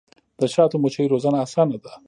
د شاتو مچیو روزنه اسانه ده؟